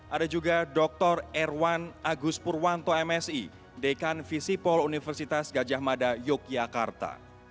ada juga dr erwan agus purwanto msi dekan visipol universitas gajah mada yogyakarta